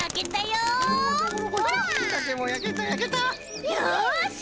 よし！